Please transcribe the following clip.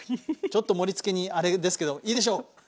ちょっと盛りつけにあれですけどいいでしょう。